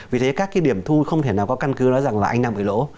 vì thế các cái điểm thu không thể nào có căn cứ nói rằng là anh đang bị lỗ